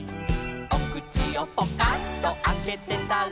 「おくちをポカンとあけてたら」